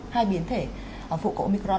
hai biến thể phụ của omicron